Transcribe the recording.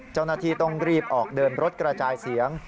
เจ้าหน้าที่ต้องรีบออกเดินรถกระจายเสียง